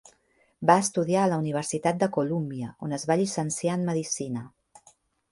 Va estudiar a la Universitat de Colúmbia, on es va llicenciar en medicina.